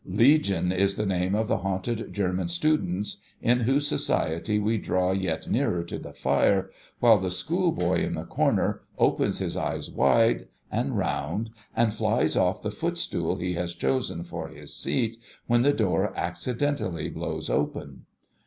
Legion is the name of the haunted German students, in whose society we draw yet nearer to the fire, while the schoolboy in the corner opens his eyes wide and round, and flies oft' the footstool he has chosen for his seat, when the door accidentally blows open.